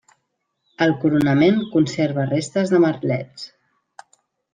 El coronament conserva restes de merlets.